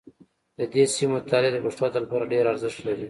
د دې سیمې مطالعه د پښتو ادب لپاره ډېر ارزښت لري